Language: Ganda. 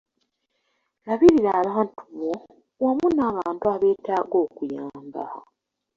Labirira abantu bo wamu n’abantu abeetaaga okuyamba.